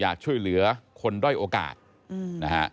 อยากช่วยเหลือคนด้อยโอกาสนะฮะ